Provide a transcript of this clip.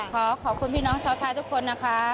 ขอขอบคุณพี่น้องชาวไทยทุกคนนะคะ